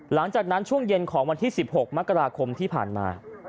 หลังจากนั้นช่วงเย็นของวันที่๑๖มกราคมที่ผ่านมา